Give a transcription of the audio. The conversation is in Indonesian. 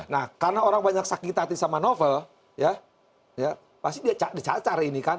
nah karena orang banyak sakit hati sama novel ya pasti dia dicacar ini kan